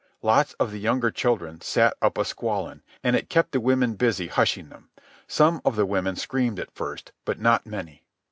Lots of the younger children set up a squalling, and it kept the women busy hushing them. Some of the women screamed at first, but not many.